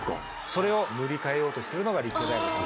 それを塗り替えようとしてるのが。